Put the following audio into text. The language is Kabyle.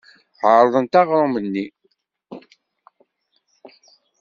Ɛerḍent aɣrum-nni.